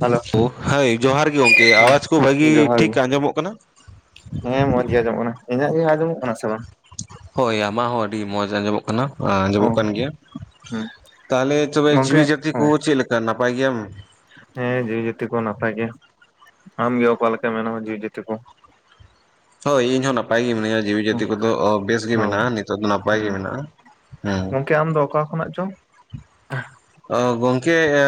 Hello ᱳ, ᱦᱟᱹᱭ, ᱡᱚᱦᱟᱨ ᱜᱮ ᱜᱚᱢᱠᱮ, ᱟᱣᱟᱡ ᱠᱚ ᱵᱷᱟᱹᱜᱤ ᱡᱚᱦᱟᱨ ᱜᱮ ᱴᱷᱤᱠ ᱟᱸᱡᱚᱢᱚᱜ ᱠᱟᱱᱟ? ᱦᱮᱸ, ᱢᱚᱸᱡᱽ ᱜᱮ ᱟᱸᱡᱚᱜ ᱠᱟᱱᱟ ᱾ ᱤᱧᱟᱹᱜ ᱜᱮ, ᱟᱸᱡᱚᱢᱚᱜ ᱠᱟᱱᱟ ᱥᱮ ᱵᱟᱝ? ᱦᱳᱭ, ᱟᱢᱟᱜ ᱦᱚᱸ ᱟᱹᱰᱤ ᱢᱚᱸᱡᱽ ᱟᱸᱡᱚᱢᱚᱜ ᱠᱟᱱᱟ ᱾ ᱚ ᱟᱸᱡᱚᱢᱚᱜ ᱠᱟᱱ ᱜᱮᱭᱟ ᱦᱮᱸ ᱾ ᱛᱟᱦᱚᱞᱮ, ᱛᱚᱵᱮ ᱜᱚᱝᱠᱮ ᱡᱤᱣᱤ ᱡᱟᱹᱛᱤ ᱚ ᱠᱚ ᱪᱮᱫ ᱞᱮᱠᱟ? ᱱᱟᱯᱟᱭ ᱜᱮᱭᱟᱢ ᱾ ᱦᱮᱸ, ᱡᱤᱣᱤ ᱡᱟᱹᱛᱤ ᱠᱚ ᱱᱟᱯᱟᱭ ᱜᱮᱭᱟ ᱾ ᱟᱢ ᱜᱮ ᱚᱠᱟ ᱞᱮᱠᱟ ᱢᱮᱱᱟᱢᱟ? ᱡᱤᱣᱤ ᱡᱟᱹᱛᱤ ᱠᱚ ᱾ ᱦᱳᱭ, ᱤᱧ ᱦᱚᱸ ᱱᱟᱯᱟᱭ ᱜᱮ, ᱢᱤᱱᱟᱹᱧᱟ, ᱡᱤᱣᱤ ᱚ ᱡᱟᱹᱛᱤ ᱠᱚᱫᱚ, ᱚᱼᱵᱮᱥ ᱜᱮ ᱢᱮᱱᱟᱜᱼᱟ ᱾ ᱱᱤᱛᱚᱜ ᱫᱚ ᱱᱟᱯᱟᱭ ᱜᱮ ᱢᱮᱱᱟᱜᱼᱟ ᱾ ᱦᱮᱸ᱾ ᱜᱚᱢᱠᱮ, ᱟᱢ ᱫᱚ ᱚᱠᱟ ᱠᱷᱚᱱᱟᱜ ᱪᱚᱝ? ᱚᱻ, ᱜᱚᱝᱠᱮ, ᱮᱼᱼ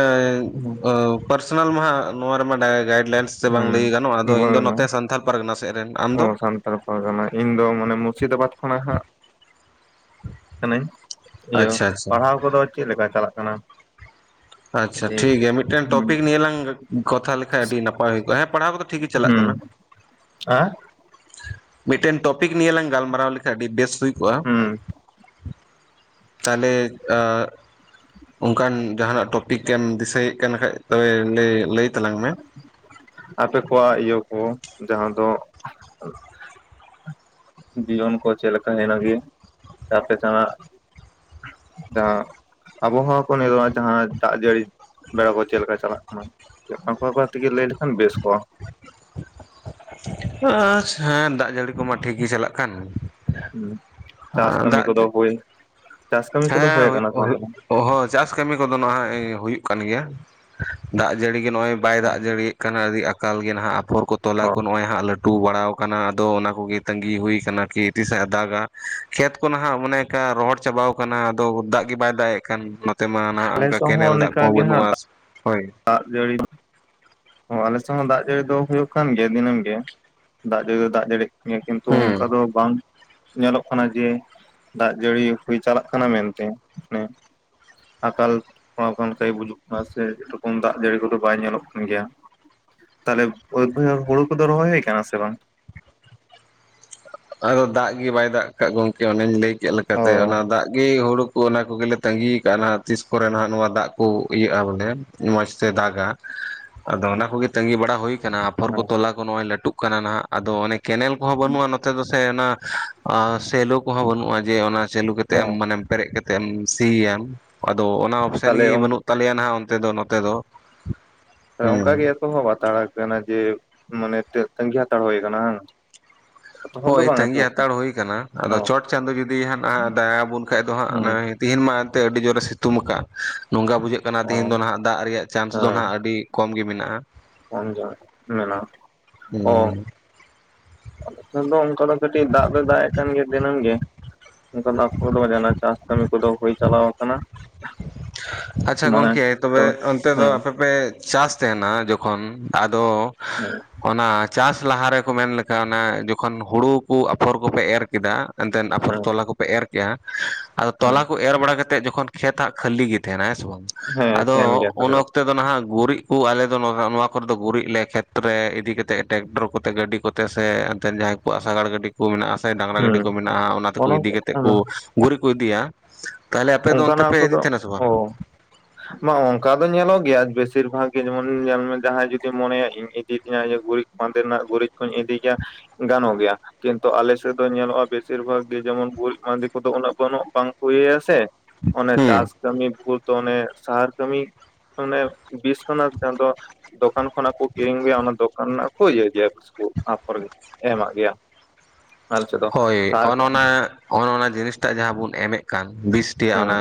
ᱚᱼᱯᱟᱨᱥᱚᱱᱟᱞ ᱢᱟ ᱦᱟᱸᱜ, ᱱᱚᱣᱟ ᱨᱮᱢᱟ, ᱰᱟᱭ ᱜᱟᱭᱤᱰ ᱞᱟᱭᱤᱱᱥ ᱥᱮ ᱵᱟᱝ ᱞᱟᱹᱭ ᱜᱟᱱᱚᱜᱼᱟ ᱾ ᱟᱫᱚ ᱤᱧ ᱫᱚ ᱦᱮᱸ ᱱᱚᱛᱮ, ᱥᱟᱱᱛᱷᱟᱞ ᱯᱟᱨᱜᱟᱱᱟ ᱥᱮᱫ ᱨᱮᱱ, ᱟᱢ ᱫᱚ? ᱦᱚᱭ, [unintelligible] ᱤᱧ ᱫᱚ ᱢᱟᱱᱮ ᱢᱩᱨᱥᱤᱫᱟᱵᱟᱫᱽ ᱠᱷᱚᱱᱟᱜ ᱦᱟᱸᱜ᱾ ᱠᱟᱹᱱᱟᱹᱧ ᱾ ᱤᱭᱟᱹ, ᱟᱪᱪᱷᱟ ᱟᱪᱪᱷᱟ ᱯᱟᱲᱦᱟᱣ ᱠᱚᱫᱚ ᱪᱮᱫ ᱞᱮᱠᱟ ᱪᱟᱞᱟᱜ ᱠᱟᱱᱟ? ᱟᱪᱪᱷᱟ ᱴᱷᱤᱠ ᱜᱮᱭᱟ ᱢᱤᱫᱴᱮᱱ ᱦᱩᱸ ᱴᱚᱯᱤᱠ ᱱᱤᱭᱟᱹ ᱞᱟᱝ ᱠᱚᱛᱷᱟ ᱞᱮᱠᱷᱟᱡ ᱟᱹᱰᱤ ᱱᱟᱯᱟᱭ ᱦᱩᱭ ᱠᱚᱜᱼᱟ ᱦᱮᱸ ᱯᱟᱲᱦᱟᱣ ᱠᱚᱫᱚ ᱴᱷᱤᱠ ᱜᱮ ᱪᱟᱞᱟᱜ ᱦᱩᱸ ᱠᱟᱱᱟ ᱟᱸ ᱢᱤᱫᱴᱮᱱ ᱴᱚᱯᱤᱠ ᱱᱤᱭᱮ ᱞᱟᱝ ᱜᱟᱞᱢᱟᱨᱟᱣ ᱞᱮᱠᱷᱟᱱᱡ ᱟᱹᱰᱤ ᱵᱮᱥ ᱦᱩᱭ ᱠᱚᱜᱼᱟ ᱦᱩᱸ ᱛᱟᱦᱚᱞᱮ ᱟ ᱚᱱᱠᱟᱱ ᱡᱟᱦᱟᱱᱟᱜ ᱴᱚᱯᱤᱠᱮᱢ ᱫᱤᱥᱟᱹᱭᱮᱫ ᱠᱟᱱ ᱠᱷᱟᱡ ᱛᱚᱵᱮ ᱞᱟᱹᱭ ᱞᱟᱹᱭ ᱛᱟᱞᱟᱝ ᱢᱮ ᱟᱯᱮ ᱠᱚᱣᱟᱜ ᱤᱭᱟᱹ ᱠᱚ ᱡᱟᱦᱟᱸ ᱫᱚ ᱡᱤᱭᱚᱱ ᱠᱚ ᱪᱮᱫ ᱞᱮᱠᱟ ᱦᱱᱟᱜᱹᱮ ᱟᱯᱮ ᱡᱟᱦᱱᱟᱜ ᱡᱟᱦᱟᱸ ᱟᱵᱚᱦᱟᱣ ᱠᱚ ᱱᱤᱛᱚᱜᱼᱟᱜ ᱡᱟᱦᱟᱸ ᱫᱟᱜ ᱡᱟᱹᱲᱤ ᱵᱮᱲᱟ ᱠᱚ ᱪᱮᱫ ᱞᱮᱠᱟ ᱪᱟᱞᱟᱜ ᱠᱟᱱᱟ ᱟᱢ ᱵᱟᱵᱟ ᱴᱷᱤᱠ-ᱮ ᱞᱟᱹᱭ ᱞᱮᱠᱷᱟᱱ ᱵᱮᱥ ᱠᱚᱜᱼᱟ ᱟᱪᱪᱷᱟ ᱦᱮᱸ ᱫᱟᱜ ᱡᱟᱹᱲᱤ ᱠᱚᱢᱟ ᱴᱷᱤᱠ ᱜᱤ ᱪᱟᱞᱟᱜ ᱠᱟᱱ ᱦᱩᱸ ᱪᱟᱥ ᱟᱸ ᱠᱟᱹᱢᱤ ᱫᱟᱜ ᱠᱚᱫᱚ ᱦᱩᱭ ᱪᱟᱥ ᱠᱟᱹᱢᱤ ᱠᱚᱫᱚ ᱦᱮᱸ ᱦᱩᱭ ᱦᱩᱭᱩᱜ ᱟᱠᱟᱱᱟ ᱥᱮ ᱦᱩᱭᱩᱜ ᱵᱟᱝ ᱚ ᱦᱚᱸ ᱪᱟᱥ ᱠᱟᱹᱢᱤ ᱠᱚᱫᱚ ᱱᱟᱦᱟᱜ ᱮ ᱦᱩᱭᱩᱜ ᱠᱟᱱ ᱜᱮᱭᱟ ᱫᱟᱜ ᱡᱟᱹᱲᱤ ᱜᱮ ᱱᱚᱜᱼᱚᱭ ᱵᱟᱭ ᱫᱟᱜ ᱛᱟᱦᱚᱞᱮ? ᱡᱟᱹᱲᱤᱭᱮᱫ ᱠᱟᱱᱟ ᱟᱹᱰᱤ ᱟᱠᱟᱞ ᱜᱮ ᱱᱟᱦᱟᱜ ᱟᱯᱷᱚᱨ ᱠᱚ ᱚ ᱛᱚᱞᱟ ᱠᱚ ᱱᱚᱜᱼᱚᱭ ᱦᱟᱸᱜ ᱞᱟᱹᱴᱩ ᱵᱟᱲᱟᱣ ᱠᱟᱱᱟ ᱟᱫᱚ ᱚᱱᱟ ᱠᱚᱜᱮ ᱛᱟᱺᱜᱤ ᱦᱩᱭ ᱠᱟᱱᱟ ᱠᱤ ᱛᱤᱥ-ᱮ ᱦᱟᱛᱟᱣ-ᱮᱫᱟ ᱠᱷᱮᱛ ᱠᱚ ᱱᱟᱦᱟᱜ ᱚᱱᱮ ᱚᱱᱠᱟ ᱨᱚᱦᱚᱲ ᱪᱟᱵᱟᱣ ᱟᱠᱟᱱᱟ ᱟᱫᱚ ᱫᱟᱜ ᱜᱮ ᱵᱟᱭ ᱫᱟᱜ ᱮᱫ ᱠᱟᱱ ᱱᱚᱛᱮᱢᱟ ᱱᱟᱦᱟᱜ ᱟᱞᱮ ᱚᱱᱠᱟ ᱥᱮᱫ ᱠᱮᱱᱮᱞ ᱦᱚᱸ ᱫᱟᱜ ᱚᱱᱠᱟ ᱠᱚᱦᱚᱸ ᱜᱮ ᱦᱟᱸᱜ ᱵᱟᱹᱱᱩᱜᱼᱟ ᱦᱳᱭ ᱫᱟᱜ ᱡᱟᱹᱲᱤ ᱚᱻ ᱟᱞᱮᱥᱮᱫ ᱦᱚᱸ ᱫᱟᱜ ᱡᱟᱹᱲᱤ ᱫᱚ ᱦᱩᱭᱩᱜ ᱠᱟᱱ ᱜᱮᱭᱟ ᱫᱤᱱᱟᱹᱢ ᱜᱮ ᱫᱟᱜ ᱡᱟᱹᱲᱤ ᱫᱚ ᱫᱟᱜ ᱡᱟᱹᱲᱤ ᱱᱤᱣᱟᱹ ᱠᱤᱱᱛᱩ ᱚᱱᱠᱟ ᱦᱩᱸ ᱫᱚ ᱵᱟᱝ ᱧᱮᱞᱚᱜ ᱠᱟᱱᱟ ᱡᱮ ᱫᱟᱜ ᱡᱟᱹᱲᱤ ᱦᱩᱭ ᱪᱟᱞᱟᱜ ᱠᱟᱱᱟ ᱢᱮᱱᱛᱮ ᱦᱮᱸ ᱟᱠᱟᱞ ᱯᱟᱲᱟᱣ ᱠᱟᱱ ᱞᱮᱠᱟ ᱵᱩᱡᱩᱜ ᱠᱟᱱᱟ ᱥᱮ ᱥᱮᱨᱚᱠᱚᱢ ᱫᱟᱜ ᱡᱟᱹᱲᱤ ᱠᱚᱫᱚ ᱵᱟᱭ ᱧᱮᱞᱚᱜ ᱠᱟᱱ ᱜᱮᱭᱟ ᱛᱟᱦᱚᱞᱮ ᱵᱟᱹᱫᱽ ᱵᱟᱹᱭᱦᱟᱹᱲ ᱦᱳᱲᱳ ᱠᱚᱫᱚ ᱨᱚᱦᱚᱭ ᱦᱩᱭ ᱠᱟᱱᱟ ᱥᱮ ᱵᱟᱝ ᱟᱫᱚ ᱫᱟᱜ ᱜᱮ ᱵᱟᱭ ᱫᱟᱜ ᱟᱠᱟᱫ ᱜᱚᱢᱠᱮ ᱚᱱᱮᱧ ᱞᱟᱹᱭ ᱠᱮᱫ ᱚ ᱞᱮᱠᱟᱛᱮ ᱚᱱᱟ ᱫᱟᱜ ᱜᱮ ᱦᱳᱲᱳ ᱚᱱᱟ ᱠᱚᱜᱮᱞᱮ ᱛᱟᱺᱜᱤ ᱠᱟᱜᱼᱟ ᱛᱤᱥ ᱠᱚᱨᱮ ᱱᱟᱦᱟᱜ ᱱᱚᱣᱟ ᱫᱟᱜ ᱠᱚ ᱤᱭᱟᱹᱜᱼᱟ ᱵᱚᱞᱮ ᱢᱚᱡᱽ ᱛᱮ ᱫᱟᱜᱟ ᱟᱫᱚ ᱚᱱᱟ ᱠᱚᱜᱮ ᱛᱟᱺᱜᱤ ᱵᱟᱲᱟ ᱦᱩᱭ ᱠᱟᱱᱟ ᱯᱷᱚᱨ ᱠᱚ ᱦᱮᱸ ᱛᱚᱞᱟ ᱠᱚ ᱱᱚᱜᱼᱚᱭ ᱞᱟᱹᱴᱩᱜ ᱠᱟᱱᱟ ᱱᱟᱦᱟᱜ ᱟᱫᱚ ᱚᱱᱮ ᱠᱮᱱᱮᱞ ᱠᱚᱦᱚᱸ ᱵᱟᱹᱱᱩᱜᱼᱟ ᱱᱚᱛᱮ ᱥᱮ ᱚᱱᱟ ᱥᱮᱞᱚ ᱠᱚᱦᱚᱸ ᱵᱟᱹᱱᱩᱜᱼᱟ ᱡᱮ ᱚᱱᱟ ᱪᱟᱹᱞᱩ ᱠᱟᱛᱮᱜ ᱚ ᱢᱟᱱᱮᱢ ᱯᱮᱨᱮᱡ ᱠᱟᱛᱮ ᱛᱮᱜ ᱮᱢ ᱥᱤᱭᱟᱢ ᱟᱫᱚ ᱚᱱᱟ ᱚᱯᱷᱥᱮᱱ ᱛᱟᱦᱚᱞᱮ ᱜᱮ ᱵᱟᱹᱱᱩᱜ ᱛᱟᱞᱮᱭᱟ ᱱᱟᱦᱟᱜ ᱚᱱᱛᱮ ᱫᱚ ᱱᱚᱛᱮ ᱫᱚ ᱚᱱᱠᱟ ᱜᱮ ᱦᱮᱸ ᱮᱛᱚᱦᱚᱵ ᱦᱟᱛᱟᱲ ᱠᱟᱱᱟ ᱡᱮ ᱢᱚᱱᱮ ᱛᱟᱹᱸᱜᱤ ᱦᱟᱛᱟᱲ ᱦᱩᱭ ᱠᱟᱱᱟᱻ ᱵᱟᱝ᱾ ᱮᱛᱚᱦᱚᱵ ᱫᱚ ᱦᱳᱭ ᱵᱟᱝ ᱛᱟᱺᱜᱤ ᱮᱛᱚᱦᱚᱵ ᱟᱠᱟᱱᱟ ᱦᱟᱛᱟᱲ ᱦᱩᱭ ᱠᱟᱱᱟ ᱟᱫᱚ ᱚ ᱪᱚᱴ ᱪᱟᱸᱫᱳ ᱡᱩᱫᱤ ᱦᱟᱜ ᱫᱟᱭᱟ ᱟᱵᱚᱱ ᱠᱷᱟᱱᱡ ᱫᱚ ᱦᱩᱸ ᱦᱟᱸᱜ ᱛᱤᱦᱤᱧ ᱢᱟ ᱮᱱᱛᱮ ᱟᱹᱰᱤ ᱡᱳᱨᱮ ᱥᱤᱛᱩᱢ ᱟᱠᱟᱫ ᱱᱚᱝᱠᱟ ᱵᱩᱡᱟᱹᱜ ᱠᱟᱱᱟ ᱛᱮᱦᱮᱧ ᱫᱚ ᱱᱟᱟᱜ ᱫᱟᱜ ᱨᱮᱭᱟᱜ ᱪᱟᱱᱥ ᱚ ᱫᱚ ᱜ ᱟᱹᱰᱤ ᱠᱚᱢ ᱜᱮ ᱢᱮᱱᱟᱜᱼᱟ [inaudible] ᱦᱩᱸ ᱟᱞᱮ ᱥᱮᱫ ᱫᱚ ᱚᱱᱠᱟ ᱫᱚ ᱠᱟᱹᱴᱤᱡ ᱫᱟᱜ ᱫᱚᱭ ᱫᱟᱜ ᱮ ᱠᱟᱱ ᱜᱮᱭᱟ ᱫᱤᱱᱟᱹᱢ ᱜᱮ [unintelligible] ᱪᱟᱥ ᱠᱟᱹᱢᱤ ᱠᱚᱫᱚ ᱦᱩᱭ ᱪᱟᱞᱟᱣ ᱟᱠᱟᱱᱟ ᱟᱪᱪᱷᱟ ᱢᱟᱱᱮ ᱜᱚᱢᱠᱮ ᱛᱚ ᱛᱚᱵᱮ ᱚᱱᱛᱮ ᱫᱚ ᱦᱮᱸ ᱟᱯᱮ ᱯᱮ ᱪᱟᱥ ᱛᱟᱦᱮᱸᱱᱟ ᱡᱚᱠᱷᱚᱱ ᱟᱫᱚ [inaudible] ᱚᱱᱟ ᱪᱟᱥ ᱞᱟᱦᱟ ᱨᱮᱠᱚ ᱢᱮᱱ ᱞᱮᱠᱷᱷᱟ ᱚᱱᱟ ᱡᱚᱠᱷᱚᱱ ᱦᱩᱲᱩ ᱠᱚ ᱟᱯᱷᱚᱨ ᱠᱚᱯᱮ ᱮᱨ ᱠᱮᱫᱟ ᱮᱱᱛᱮᱫ ᱟᱯᱷᱚᱨ ᱦᱮᱸ ᱛᱚᱞᱟ ᱠᱚᱯᱮ ᱮᱨ ᱠᱮᱜᱼᱟ ᱟᱫᱚ ᱦᱮᱸ ᱛᱚᱞᱟ ᱠᱚ ᱮᱨ ᱵᱟᱲᱟ ᱠᱟ ᱠᱟᱛᱮᱫ ᱡᱚᱠᱷᱚᱱ ᱠᱷᱮᱛ ᱦᱟᱜ ᱦᱟᱹᱞᱤ ᱜᱮ ᱛᱟᱦᱮᱱᱟ ᱦᱮᱸ ᱥᱮ ᱵᱟᱝ ᱦᱮᱸ ᱟᱫᱚ ᱛᱟᱦᱮᱱ ᱜᱮᱭᱟ ᱛᱟᱦᱚᱞᱮ ᱩᱱ ᱚᱠᱛ ᱫᱚ ᱱᱟᱦᱟᱜ ᱜᱩᱨᱤᱡ ᱠᱚ ᱟᱞᱮᱫᱚ ᱱᱚᱣᱟ ᱠᱚᱨᱮᱫ ᱫᱚ ᱜᱩᱨᱤᱡ ᱞᱮ ᱠᱷᱮᱛᱨᱮ ᱤᱫᱤ ᱠᱟᱛᱮᱫ ᱴᱨᱮᱠᱴᱚᱨ ᱠᱚᱛᱮ ᱜᱟᱹᱰᱤ ᱠᱚᱛᱮ ᱥᱮ ᱮᱱᱛᱮᱱ ᱡᱟᱦᱟᱸ ᱠᱩᱣᱟᱜ ᱥᱟᱜᱟᱲ ᱜᱟᱹᱰᱤ ᱠᱩ ᱢᱮᱱᱟᱜᱼᱟ ᱥᱮ ᱰᱟᱝᱨᱟ ᱦᱮᱸ ᱜᱟᱹᱰᱤ ᱠᱚ ᱢᱮᱱᱟᱜᱼᱟ ᱚᱱᱟ ᱛᱮᱠᱚ ᱤᱫᱤ ᱠᱟᱛᱮᱫ ᱠᱚ ᱜᱩᱨᱤᱡ ᱠᱚ ᱤᱫᱤᱭᱟ ᱛᱟᱦᱚᱞᱮ ᱟᱯᱮ ᱫᱚ ᱚᱱᱛᱮ ᱯᱮ ᱤᱫᱤ ᱛᱟᱦᱮᱱᱟ ᱥᱮ ᱵᱟᱝ ᱱᱚᱜ ᱚᱱᱠᱟ ᱫᱚ ᱧᱮᱞᱚᱜ ᱜᱮᱭᱟ ᱵᱮᱥᱤᱨ ᱵᱷᱟᱜ ᱜᱮ ᱡᱮᱢᱚᱱ ᱧᱮᱞ ᱢᱮ ᱡᱟᱦᱟᱸᱭ ᱡᱩᱫᱤᱢ ᱢᱚᱱᱮᱭᱟ ᱤᱧ ᱤᱫᱤ ᱛᱤᱧᱟ ᱜᱩᱨᱤᱡ ᱢᱟᱸᱫᱮ ᱨᱮᱱᱟᱜ ᱜᱩᱨᱤᱡ ᱠᱩᱧ ᱤᱫᱤ ᱜᱮᱭᱟ ᱜᱟᱱᱚᱜ ᱜᱮᱭᱟ ᱠᱤᱱᱛᱩ ᱟᱞᱮ ᱥᱮᱫ ᱫᱚ ᱧᱮᱞᱚᱜᱼᱟ ᱵᱮᱥᱤᱨ ᱵᱷᱟᱜᱽ ᱜᱮ ᱡᱮᱢᱚᱱ ᱜᱩᱨᱤᱡ ᱢᱟᱸᱫᱮ ᱠᱚᱫᱚ ᱩᱱᱟᱹᱜ ᱵᱟᱹᱱᱩᱜ ᱵᱟᱝ ᱠᱚ ᱤᱭᱟᱥᱮ ᱥᱮ ᱚᱱᱮ ᱦᱩᱸ ᱪᱟᱥ ᱠᱟᱹᱢᱤ ᱵᱷᱩᱨ ᱫᱚ ᱚᱱᱮ ᱥᱟᱦᱟᱨ ᱠᱟᱹᱢᱤ ᱢᱟᱱᱮ ᱵᱤᱥᱥᱚᱱᱟᱛᱷ ᱪᱟᱸᱫᱚ ᱫᱚᱠᱟᱱ ᱠᱷᱚᱱᱟᱜ ᱠᱚ ᱠᱤᱨᱤᱧ ᱟᱹᱜᱩᱭᱟ ᱚᱱᱟ ᱫᱚᱠᱟᱱ ᱨᱮᱱᱟᱜ ᱠᱚ ᱤᱭᱟᱹᱭ ᱜᱮᱭᱟ ᱵᱤᱥᱠᱩ ᱟᱯᱷᱚᱨ ᱜᱮ ᱮᱢᱟᱜ ᱜᱮᱭᱟ ᱾ [inaudible] ᱦᱳᱭ ᱚᱱ ᱚᱱᱟ ᱚᱱ ᱚᱱᱟ ᱡᱤᱱᱤᱥᱴᱟᱜ ᱡᱟᱦᱟᱸ ᱵᱚᱱ ᱮᱢᱮᱫ ᱠᱟᱱ ᱵᱤᱥᱴᱮᱭᱟᱜ ᱦᱮᱸ ᱚᱱᱟ,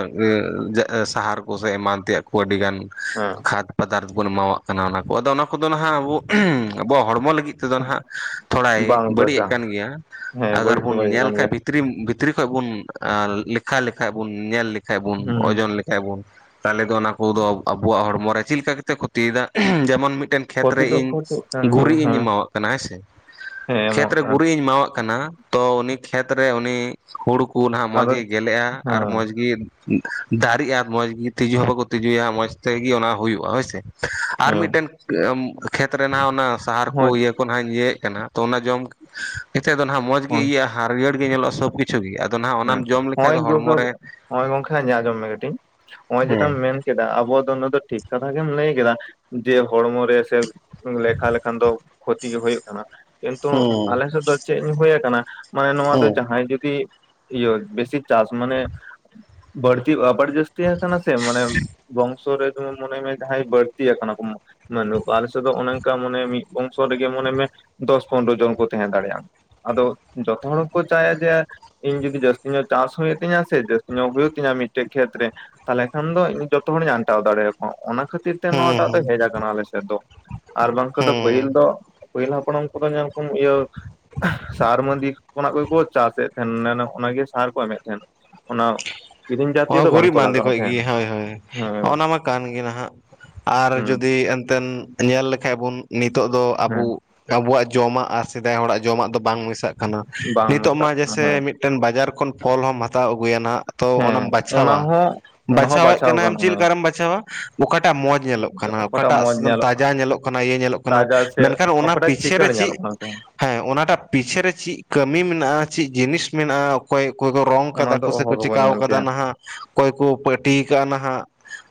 ᱥᱟᱦᱟᱨ ᱠᱚ ᱥᱮ ᱮᱢᱟᱱ ᱛᱮᱭᱟᱜ ᱠᱚ ᱟᱹᱰᱤ ᱜᱟᱱᱼᱼ ᱦᱮᱸ ᱛᱷᱟᱨᱛᱽ ᱯᱚᱫᱟᱨᱽᱛᱷ ᱵᱚᱱ ᱮᱢᱟᱣᱟᱜ ᱠᱟᱱᱟ ᱾ ᱟᱫᱚ ᱚᱱᱟ ᱠᱚᱫᱚ ᱱᱟᱦᱟᱜ ᱟᱵᱚᱣᱟᱜ ᱦᱚᱲᱢᱚ ᱞᱟᱹᱜᱤᱫ ᱛᱮᱫᱚ ᱱᱟᱜ ᱛᱷᱚᱲᱟᱭ ᱵᱟᱝ ᱵᱟᱹᱲᱤᱡ ᱮᱫ ᱵᱟᱡᱟ ᱠᱟᱱ ᱜᱮᱭᱟ, ᱦᱮᱸ ᱟᱜᱟᱨ ᱵᱟᱹᱲᱤᱡ ᱫᱚ ᱵᱚᱱ ᱵᱟᱹᱲᱤᱡ ᱧᱮᱞ ᱠᱟᱱ ᱠᱷᱟᱱ ᱜᱮᱭᱟ ᱵᱷᱤᱛᱨᱤ ᱵᱷᱤᱛᱨᱤ ᱠᱷᱚᱱ ᱵᱩᱱ ᱞᱮᱠᱷᱟ ᱞᱮᱠᱷᱟᱡ ᱵᱩᱱ ᱧᱮᱞ ᱞᱮᱠᱷᱟᱱ ᱵᱩᱱ ᱦᱩᱸ ᱳᱡᱚᱱ ᱞᱮᱼᱼ ᱮᱵᱚᱱ ᱛᱟᱦᱚᱞᱮ ᱫᱚ ᱚᱱᱟ ᱠᱚᱫᱚ ᱟᱵᱚᱣᱟᱜ ᱦᱚᱲᱢᱚᱨᱮ ᱪᱮᱫ ᱞᱮᱠᱟ ᱠᱟᱛᱮᱜ ᱠᱷᱚᱛᱤᱭᱮᱫᱟ, [unintelligible] ᱡᱮᱢᱚᱱ ᱢᱤᱫᱴᱮᱱᱼᱼ ᱠᱷᱮᱛ ᱠᱷᱚᱛᱤ ᱨᱮ ᱫᱚ ᱤᱧ ᱠᱷᱚᱛᱤᱜ ᱠᱟᱱ ᱜᱮᱭᱟ ᱜᱩᱨᱤᱡ ᱤᱧ ᱦᱮᱸ ᱮᱢᱟᱣᱟᱜ ᱠᱟᱱᱟ ᱦᱮᱸ ᱥᱮ, ᱦᱮᱸ ᱠᱷᱮᱛ ᱮᱢᱚᱜ ᱨᱮ ᱠᱟᱱ ᱜᱩᱨᱤᱡ ᱤᱧ ᱮᱢᱟᱣᱟᱜ ᱠᱟᱱᱟᱼᱼ ᱛᱚ ᱩᱱᱤ ᱠᱷᱮᱛᱨᱮ ᱩᱱᱤ, ᱦᱩᱲᱩ ᱠᱚ ᱱᱟᱸᱜ ᱟᱫᱚ ᱢᱚᱸᱡᱽᱜᱮ ᱜᱮᱞᱮᱜᱼᱟ ᱟᱨ ᱦᱮᱸ ᱢᱚᱸᱡᱽᱜᱤᱼᱼ ᱫᱟᱨᱮᱜᱜᱼᱟ ᱢᱚᱸᱡᱽ ᱜᱮ ᱛᱤᱡᱩ ᱦᱚᱸ ᱵᱟᱠᱚ ᱛᱤᱡᱩᱭᱟ ᱢᱚᱸᱡᱽ ᱛᱮᱜᱮ ᱚᱱᱟ ᱦᱩᱭᱩᱜᱼᱟ ᱦᱚᱭ ᱥᱮ ᱾ ᱟᱨ ᱦᱮᱸ ᱢᱤᱫᱴᱮᱱ ᱠᱷᱮᱛ ᱨᱮ ᱚᱱᱟ ᱥᱟᱦᱟᱨ ᱠᱚ ᱦᱳᱭ ᱤᱭᱟᱹᱼᱼ ᱡᱚᱠᱦᱚᱱ ᱦᱟᱜ ᱤᱭᱟᱹᱮᱫ ᱠᱟᱱᱟ, ᱛᱚ ᱚᱱᱟ ᱡᱚᱢ ᱠᱟᱛᱮ ᱫᱚ ᱱᱟᱜ ᱢᱚᱸᱡᱽ ᱜᱮ ᱦᱳᱭ ᱤᱭᱟᱹᱜᱼᱟ ᱦᱟᱹᱨᱭᱟᱹᱲ ᱜᱮ ᱧᱮᱞᱚᱜ ᱥᱚᱵᱽ ᱠᱤᱼᱼ [unintelligible] ᱟᱫᱚ ᱱᱟᱦᱟᱜ ᱦᱮᱸ ᱚᱱᱟᱢ ᱡᱚᱢ ᱞᱮᱠᱷᱟᱡ ᱱᱚᱜᱚᱭ ᱫᱚ ᱜᱚᱜᱚ ᱦᱚᱲᱢᱚ ᱨᱮ ᱱᱚᱜᱚᱭ ᱜᱚᱝᱠᱮ ᱤᱧᱟ [unintelligible] ᱟᱸᱡᱚᱢ ᱢᱮ ᱠᱟᱹᱴᱤᱡ ᱱᱚᱜᱼᱚᱭ ᱡᱮᱴᱟᱢ ᱦᱮᱸ ᱢᱮᱱ ᱠᱮᱫᱟ ᱟᱵᱚ ᱫᱚ ᱱᱚᱣᱟ ᱫᱚ ᱴᱷᱤᱠ ᱠᱟᱛᱷᱟ ᱜᱮᱢ ᱞᱟᱹᱭ ᱠᱮᱫᱟ ᱾ ᱡᱮ ᱦᱚᱲᱢᱚᱨ ᱨᱮ ᱥᱮ, ᱞᱮᱠᱷᱟ ᱞᱮᱠᱷᱟᱱ ᱫᱚ ᱠᱷᱚᱛᱤ ᱜᱮ ᱦᱩᱭᱩᱜᱭ ᱠᱟᱱᱟ ᱾ ᱠᱤᱱᱛᱩ ᱦᱮᱸ ᱟᱞᱮᱥᱮᱫ ᱫᱚ ᱪᱮᱫ ᱤᱧ ᱦᱳᱭ ᱟᱠᱟᱱᱟ, ᱢᱟᱱᱮ ᱱᱚᱣᱟ ᱫᱚ ᱦᱮᱸ ᱡᱟᱦᱟᱸᱭ ᱡᱩᱫᱤᱼᱼ ᱤᱭᱟᱹ ᱵᱮᱥᱤ ᱪᱟᱥ ᱢᱟᱱᱮ ᱵᱟᱹᱲᱼᱼ ᱛᱤ ᱟᱵᱟᱨ ᱡᱟᱹᱥᱛᱤ ᱟᱠᱟᱱᱟ ᱥᱮ ᱢᱟᱱᱮ, ᱵᱚᱝᱥᱚ ᱨᱮᱫᱚ ᱢᱚᱱᱮ ᱢᱮ ᱡᱟᱦᱟᱸᱭ ᱵᱟᱹᱲᱛᱤ ᱟᱠᱟᱱᱟ ᱠᱚ [inaudible] [unintelligible] ᱟᱞᱮᱥᱮᱫ ᱫᱚ ᱚᱱᱮ ᱚᱱᱠᱟ ᱢᱟᱱᱮ ᱢᱤᱫ ᱵᱚᱝᱥᱚ ᱨᱮᱜᱮ ᱢᱚᱱᱮ ᱢᱮ ᱫᱚᱥ ᱯᱚᱱᱨᱚ ᱡᱚᱱ ᱠᱚ ᱛᱟᱦᱮᱸ ᱫᱟᱲᱮᱭᱟᱜᱼᱟ ᱾ ᱟᱫᱚ ᱡᱚᱛᱚ ᱦᱚᱲᱠᱚ ᱪᱟᱭᱟ ᱡᱮᱼᱼ ᱤᱧ ᱡᱩᱫᱤ ᱡᱟᱹᱥᱛᱤ ᱧᱚᱜ ᱪᱟᱥ ᱦᱩᱭᱩᱜ ᱛᱤᱧᱟ ᱥᱮ ᱡᱟᱹᱥᱛᱤ ᱧᱚᱜ ᱦᱩᱭᱩᱜ ᱛᱤᱧᱟ ᱢᱤᱫᱴᱮᱡ ᱠᱷᱮᱛ ᱨᱮᱼᱼ ᱛᱟᱦᱚᱞᱮ ᱠᱷᱟᱱ ᱫᱚ ᱤᱧ ᱡᱚᱛᱚ ᱦᱚᱲᱤᱧ ᱟᱱᱴᱟᱣ ᱫᱟᱲᱮᱭᱟᱠᱚᱣᱟ ᱾ ᱚᱱᱟᱼᱼ ᱠᱷᱟᱹᱛᱤᱨ ᱛᱮ ᱦᱮᱸ ᱱᱚᱣᱟᱴᱟᱜ ᱫᱚ ᱦᱮᱸ ᱦᱮᱡ ᱟᱠᱟᱱᱟ ᱟᱞᱮ ᱥᱮᱫ ᱫᱚ, ᱟᱨ ᱵᱟᱝᱠᱷᱟᱱ ᱫᱚ ᱦᱮᱸ ᱯᱟᱹᱦᱤᱞ ᱫᱚᱼᱼ ᱯᱟᱹᱦᱤᱞᱨᱮ ᱦᱟᱯᱲᱟᱢ ᱠᱚᱫᱚ ᱧᱮᱞ ᱠᱚ ᱤᱭᱟᱹ ᱥᱟᱨ ᱢᱟᱫᱤ ᱠᱷᱚᱱᱟᱜ ᱜᱚᱠᱚ ᱪᱟᱥᱮᱫ ᱾ [unintelligible] ᱚᱱᱟᱜᱮ ᱥᱟᱨ ᱠᱚ ᱮᱢᱮᱫ ᱛᱟᱦᱮᱱ ᱚᱱᱟ ᱠᱤᱨᱤᱧ ᱦᱚ ᱡᱟᱛᱤᱭᱚ ᱫᱚ ᱜᱩᱨᱤᱡ ᱵᱟᱝᱠᱚ ᱵᱟᱸᱫᱮ ᱞᱟᱜᱟᱣ ᱛᱟᱦᱮᱸᱱ ᱠᱷᱚᱡᱜᱮ ᱦᱳᱭ ᱦᱳᱭ, ᱦᱮᱸ ᱚᱱᱟ ᱢᱟ ᱠᱟᱱ ᱜᱮ ᱱᱟᱸᱜᱼᱼ ᱟᱨ ᱦᱮᱸ ᱡᱩᱫᱤ ᱮᱱᱛᱮᱫ ᱧᱮᱞ ᱞᱮᱠᱷᱟᱡ ᱵᱚᱱ ᱱᱤᱛᱚᱜ ᱫᱚ ᱟᱵᱩᱼᱼ ᱦᱮᱸ ᱟᱵᱚᱣᱟᱜ ᱡᱚᱢᱟᱜ ᱟᱨ ᱥᱮᱫᱟᱭ ᱦᱚᱲᱟᱜ ᱡᱚᱢᱟᱜ ᱫᱚ ᱵᱟᱝ ᱢᱮᱥᱟᱜ ᱠᱟᱱᱟ, ᱵᱟᱝ ᱱᱤᱛᱚᱜ ᱢᱟ ᱢᱮᱛᱟᱜ ᱡᱮᱭᱥᱮᱼᱼ ᱠᱟᱱᱟ ᱦᱮᱸ ᱢᱤᱫᱴᱮᱱ ᱵᱟᱡᱟᱨ ᱠᱷᱚᱱ ᱯᱷᱚᱞ ᱦᱚᱢ ᱦᱟᱛᱟᱣ ᱟᱹᱜᱩᱭᱟ ᱱᱟᱜ ᱛᱚ ᱚᱱᱟᱼᱼ ᱦᱮᱸ ᱚᱱᱟ ᱵᱟᱪᱷᱟᱣᱟ, ᱦᱚᱸ ᱚᱱᱟ ᱦᱚᱸ ᱵᱟᱪᱷᱟᱣᱮᱫ ᱵᱟᱪᱷᱟᱣ ᱠᱟᱱᱟᱢ ᱪᱮᱫ ᱜᱟᱱᱚᱜᱼᱟ ᱦᱮᱸ ᱞᱮᱠᱟᱨᱮᱢ ᱵᱟᱪᱷᱟᱣᱟ ᱚᱠᱟᱴᱟᱜ ᱢᱚᱸᱡᱽ ᱧᱮᱞᱚᱜ ᱠᱟᱱᱟ ᱾ ᱚᱠᱟᱴᱟᱜ ᱢᱚᱸᱡᱽ ᱧᱮᱞᱚᱜᱼᱟ ᱛᱟᱡᱟ ᱧᱮᱞᱚᱜ ᱠᱟᱱᱟ ᱤᱭᱟᱹ ᱧᱮᱞᱚᱜ ᱠᱟᱱᱟ ᱛᱟᱡᱟ ᱥᱮ ᱢᱮᱱᱠᱷᱟᱱ ᱚᱱᱟ ᱚᱠᱟᱴᱟᱜ ᱯᱤᱪᱷᱮ ᱨᱮ ᱪᱤᱠᱟᱹᱲ ᱧᱮᱞᱚᱜ ᱪᱤᱜᱼᱼ ᱠᱟᱱᱟ ᱛᱟᱦᱮᱸ ᱦᱮᱸ ᱚᱱᱟᱴᱟᱜ ᱯᱤᱪᱷᱮ ᱨᱮ ᱪᱤᱜ ᱠᱟᱹᱢᱤ ᱢᱮᱱᱟᱜᱼᱟ ᱪᱮᱫ ᱡᱤᱱᱤᱥ ᱢᱮᱱᱟᱜᱼᱟ, ᱚᱠᱚᱭ ᱚᱠᱚᱭ ᱠᱚ ᱨᱚᱝ ᱚᱱᱟ ᱠᱟᱫᱟ ᱫᱚ ᱠᱚ ᱥᱮ ᱚᱦᱚ ᱠᱚ ᱜᱮᱵᱚᱱ ᱪᱮᱠᱟᱣ ᱧᱮᱞ ᱟᱠᱟᱫᱼᱼ ᱠᱮᱭᱟ ᱦᱟ ᱚᱠᱚᱭ ᱠᱩ ᱯᱟᱹᱴᱤᱣᱟ ᱠᱟᱜᱼᱟ ᱱᱟᱜ